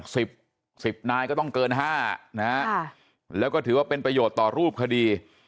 สิบสิบนายก็ต้องเกินห้านะฮะค่ะแล้วก็ถือว่าเป็นประโยชน์ต่อรูปคดี